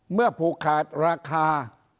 เมื่อผูกขาดราคา